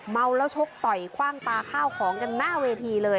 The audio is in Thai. เมาแล้วชกต่อยคว่างปลาข้าวของกันหน้าเวทีเลย